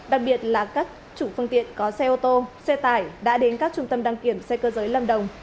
đặc biệt là các chủ phương tiện có xe ô tô xe tải đã đến các trung tâm đăng kiểm xe cơ giới lâm đồng